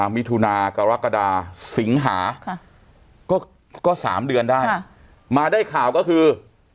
มิถุนากรกฎาสิงหาก็๓เดือนได้มาได้ข่าวก็คือ